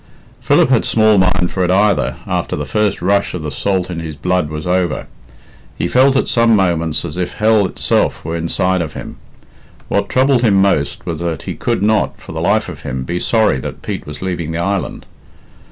Philip had small mind for it, either, after the first rush of the salt in his blood was over. He felt at some moments as if hell itself were inside of him. What troubled him most was that he could not, for the life of him, be sorry that Pete was leaving the island.